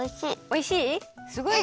おいしい？